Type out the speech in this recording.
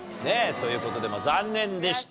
という事で残念でした。